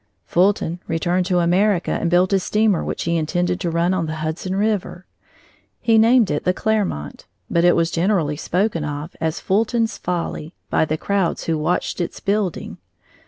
Fulton returned to America and built a steamer which he intended to run on the Hudson River. He named it the Clermont, but it was generally spoken of as "Fulton's Folly" by the crowds who watched its building.